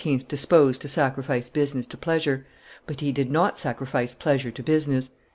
disposed to sacrifice business to pleasure, but he did not sacrifice pleasure to business.